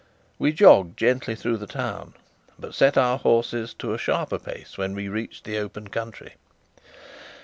We jogged gently through the town, but set our horses to a sharper pace when we reached the open country.